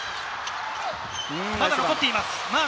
まだ残っています。